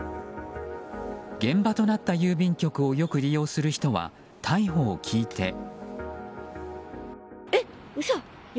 現場となった郵便局をよく利用する人は逮捕を聞いて。